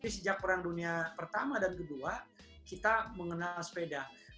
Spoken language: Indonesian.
sejak perang dunia pertama dan kedua kita mengenal sepeda